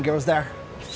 kenapa duit kamu inget